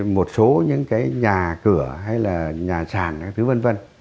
một số những cái nhà cửa hay là nhà sàn thứ vân vân